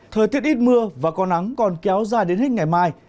thời tiết ít mưa và có nắng còn kéo dài đến hết ngày mai